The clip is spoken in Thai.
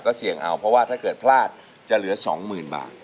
เสี่ยงเอาเพราะว่าถ้าเกิดพลาดจะเหลือ๒๐๐๐บาท